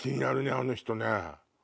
あの人ね。